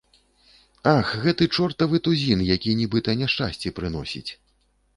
Ах, гэты чортавы тузін, які нібыта няшчасці прыносіць.